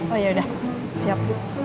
oh yaudah siap